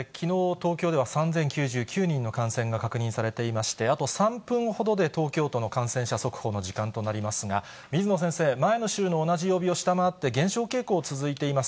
東京では３０９９人の感染が確認されていまして、あと３分ほどで東京の感染者速報の時間となりますが、水野先生、前の週の同じ曜日を下回って、減少傾向が続いています。